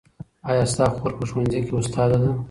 ایا ستا خور په ښوونځي کې استاده ده؟